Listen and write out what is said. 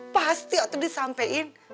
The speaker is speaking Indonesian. pasti waktu disampein